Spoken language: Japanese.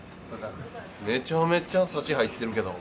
めちゃめちゃサシ入ってるけど。